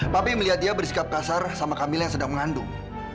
tapi melihat dia bersikap kasar sama kamil yang sedang mengandung